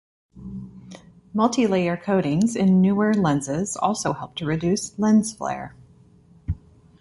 Multi-layer coatings in newer lenses also help to reduce lens flare.